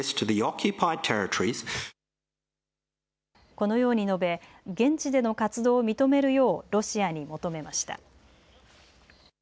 このように述べ現地での活動を認めるようロシアに求めました。